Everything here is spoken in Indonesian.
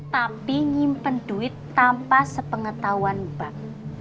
tapi nyimpen duit tanpa sepengetahuan bak